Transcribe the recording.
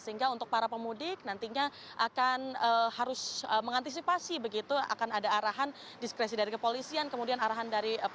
sehingga untuk para pemudik nantinya akan harus mengantisipasi begitu akan ada arahan diskresi dari kepolisian kemudian arahan dari